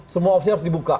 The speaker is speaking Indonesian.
semua opsi harus dibuka